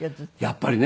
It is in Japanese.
やっぱり。